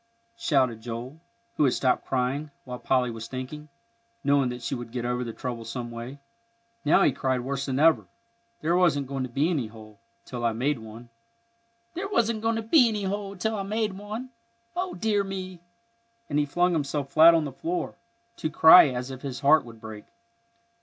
shouted Joel, who had stopped crying while Polly was thinking, knowing that she would get over the trouble some way. Now he cried worse than ever. "There wasn't goin' to be any hole, till I made one. O dear me!" and he flung himself flat on the floor, to cry as if his heart would break.